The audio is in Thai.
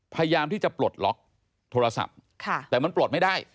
พยายามที่จะปลดล็อกโทรศัพท์แต่มันปลดไม่ได้